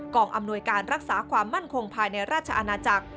อำนวยการรักษาความมั่นคงภายในราชอาณาจักร